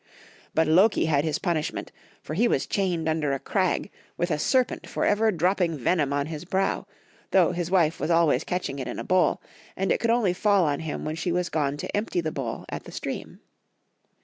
But Loki had his pmiishment, for he was chained under a crag with a serpent for ever droppmg venom on his brow, though liis wife was always catching it in a bowl, and it could only fall on him when she was gone to empty the bowl at the stream.